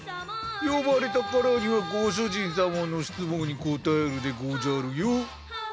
呼ばれたからにはご主人様の質問に答えるでごじゃるよ。